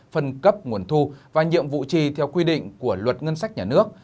phân cấp nguồn thu và nhiệm vụ chi theo quy định của luật ngân sách nhà nước